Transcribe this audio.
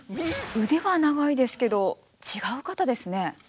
腕は長いですけど違う方ですね。